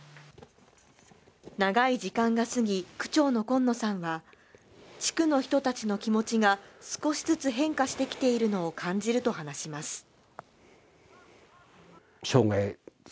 長い時間が過ぎ、区長の今野さんは地区の人たちの気持ちが少しずつ変化してきているのを感じると話します。